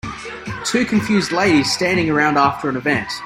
Two confused ladies standing around after an event.